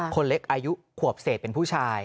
คนเล็กอายุขวบเศษเป็นผู้ชาย